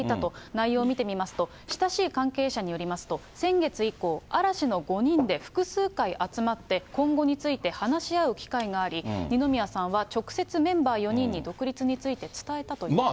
内容を見てみますと、親しい関係者によりますと、先月以降、嵐の５人で複数回集まって、今後について話し合う機会があり、二宮さんは直接、メンバー４人に独立について伝えたということです。